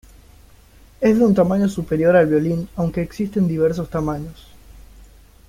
Es de un tamaño superior al violín, aunque existen diversos tamaños.